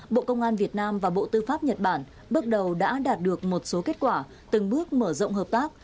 bộ công an việt nam và bộ tư pháp nhật bản bước đầu đã đạt được một số kết quả từng bước mở rộng hợp tác